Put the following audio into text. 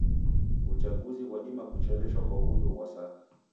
W'uchaguzi ghwadima kucheleshwa kwa w'undu ghwa saka.